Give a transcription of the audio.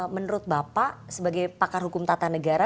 menurut bapak sebagai pakar hukum tata negara